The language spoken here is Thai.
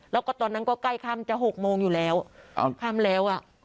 แล้วก็ตอนนั้นก็ใกล้ค่ำจะ๖โมงอยู่แล้วค่ำแล้วอ่ะ